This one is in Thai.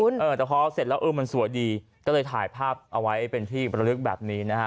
แต่พอเสร็จแล้วเออมันสวยดีก็เลยถ่ายภาพเอาไว้เป็นที่ประลึกแบบนี้นะฮะ